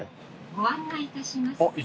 「ご案内致します」